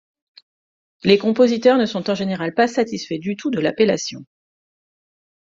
Les compositeurs ne sont en général pas satisfaits du tout de l'appellation.